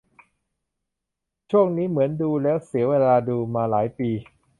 ช่วงนี้เหมือนดูแล้วเสียเวลาดูมาหลายปี